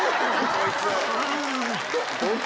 こいつ！